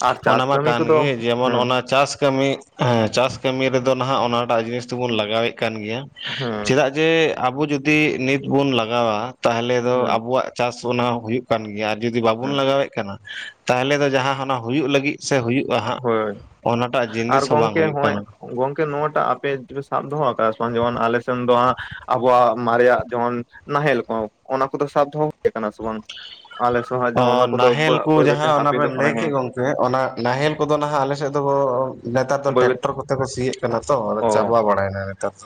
ᱟᱨ ᱚᱱᱟ ᱪᱟᱥ ᱢᱟ ᱠᱟᱹᱢᱤ ᱠᱟᱱ ᱠᱚᱫᱚ ᱜᱮ ᱡᱮᱢᱚᱱ ᱦᱮᱸ ᱚᱱᱟ ᱪᱟᱥ ᱠᱟᱹᱢᱤ᱾ ᱦᱮᱸ ᱪᱟᱥ ᱠᱟᱹᱢᱤ ᱨᱮᱫᱚ ᱱᱟᱦᱟᱜ ᱚᱱᱟᱴᱟᱜ ᱡᱤᱱᱤᱥ ᱫᱚᱵᱚᱱ ᱞᱟᱜᱟᱣᱮᱫ ᱠᱟᱱ ᱜᱮᱭᱟ᱾ ᱦᱩᱸ ᱪᱮᱫᱟᱜ ᱡᱮ ᱟᱵᱚ ᱡᱩᱫᱤ ᱱᱤᱛ ᱵᱚᱱ ᱞᱟᱜᱟᱣᱟ ᱛᱟᱦᱚᱞᱮ ᱫᱚ ᱦᱮᱸ ᱟᱵᱚᱣᱟᱜ᱾ ᱪᱟᱥ ᱚᱱᱟ ᱦᱩᱭᱩᱜ ᱠᱟᱱ ᱜᱮᱭᱟ, ᱟᱨ ᱡᱩᱫᱤ ᱵᱟᱵᱚᱱ ᱦᱮᱸ ᱞᱟᱜᱟᱣᱮᱫ ᱠᱟᱱᱟ ᱛᱟᱦᱚᱞᱮ ᱫᱚ ᱡᱟᱦᱟᱸ ᱦᱟᱱᱟ ᱦᱩᱭᱩᱜ᱾ ᱞᱟᱹᱜᱤᱫ ᱥᱮ ᱦᱩᱭᱩᱜᱼᱟ ᱦᱟᱸᱜ ᱦᱳᱭ ᱚᱱᱟᱴᱟᱜ ᱟᱨ ᱡᱤᱱᱤᱥ ᱦᱚᱸ ᱵᱟᱝ ᱜᱚᱝᱠᱮ ᱦᱩᱭᱩᱜ ᱦᱚᱸᱜᱼᱚᱭ ᱠᱟᱱᱟ᱾ ᱜᱚᱝᱠᱮ ᱱᱚᱣᱟᱴᱟᱜ ᱟᱯᱮᱯᱮ ᱥᱟᱵ ᱫᱚᱦᱚ ᱟᱠᱟᱫᱟ ᱥᱮ ᱵᱟᱝ ᱡᱮᱢᱚᱱ ᱟᱞᱮ ᱥᱮ ᱫᱚ ᱦᱟᱜ ᱟᱵᱚᱣᱟᱜ ᱢᱟᱨᱮᱭᱟᱜ ᱡᱮᱢᱚᱱ ᱱᱟᱦᱮᱞ ᱠᱚ ᱚᱱᱟ ᱠᱚᱫᱚ ᱥᱟᱵ ᱫᱚᱦᱚ ᱦᱩᱭᱩ ᱟᱠᱟᱱᱟ ᱥᱮ ᱵᱟᱝ ᱟᱞᱮ᱾ ᱚ ᱡᱚᱱ ᱚᱱᱟ ᱠᱚᱫᱚ ᱱᱟᱦᱮᱞ ᱠᱚ ᱵᱟᱹᱭ ᱵᱟᱹᱭᱛᱮ ᱡᱟᱦᱟᱸ ᱚᱱᱟ ᱵᱮᱱ ᱦᱟᱯᱤᱫᱚᱜ ᱠᱟᱱᱟ ᱞᱟᱹᱭ ᱦᱮᱸ ᱠᱮᱫ ᱜᱚᱝᱠᱮ ᱚᱱᱟ ᱱᱟᱦᱮᱞ ᱠᱚᱫᱚ ᱱᱟᱦᱟᱜ ᱟᱞᱮ ᱥᱮᱫ ᱫᱚ ᱱᱮᱛᱟᱨ ᱫᱚ ᱵᱟᱹᱭ ᱵᱟᱹᱭ ᱴᱮᱠᱴᱚᱨ ᱾ ᱛᱮ ᱠᱚ ᱥᱤᱭᱚᱜ ᱠᱟᱱᱟ ᱛᱚ ᱚ ᱪᱟᱵᱟ ᱵᱟᱲᱟᱭᱱᱟ ᱱᱮᱛᱟᱨ ᱫᱚ᱾